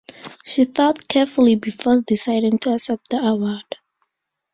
She thought carefully before deciding to accept the award.